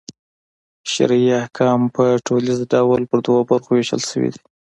شرعي احکام په ټوليز ډول پر دوو برخو وېشل سوي دي.